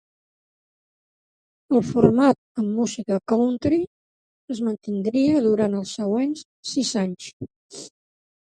El format amb música "country" es mantindria durant els següents sis anys.